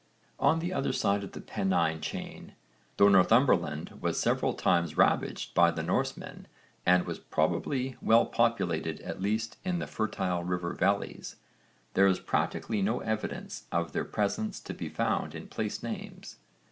On the other side of the Pennine chain, though Northumberland was several times ravaged by the Norsemen and was probably well populated at least in the fertile river valleys, there is practically no evidence of their presence to be found in place names.